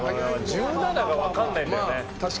１７が分かんないんだよね。